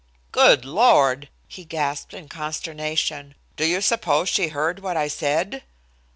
"Good Lord!" he gasped in consternation. "Do you suppose she heard what I said?"